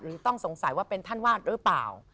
ต้องสงสัยว่าเป็นท่านวาดหรือเปล่า